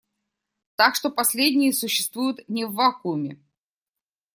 Так что последние существуют не в вакууме.